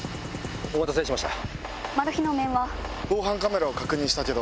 お待たせしました。